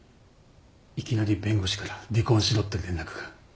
いきなり弁護士から離婚しろって連絡が。